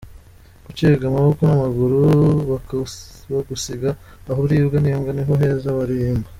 Gucibwa amaboko n’amaguru bakagusiga aho uribwa n’imbwa niho heza waririmba ?